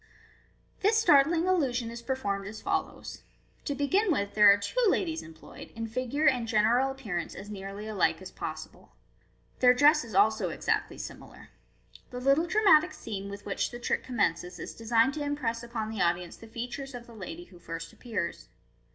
This startling illusion is performed as follows :— To begin with, there are two ladies employed, in figure and general appearance as nearly alike as possible. Their dress is also exactly similar. The little dramatic scene with which the trick commences is designed to impress upon the audience the features of the lady who first appears.